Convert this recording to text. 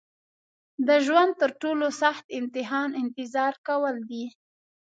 د ژوند تر ټولو سخت امتحان انتظار کول دي.